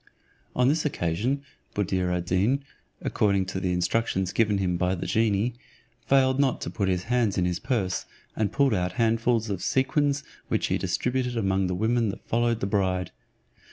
On this occasion, Buddir ad Deen, according to the instructions given him by the genie, failed not to put his hands in his purse, and pulled out handfuls of sequins, which he distributed among the women that followed the bride.